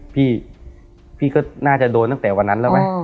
พี่พี่ก็น่าจะโดนตั้งแต่วันนั้นแล้วไหม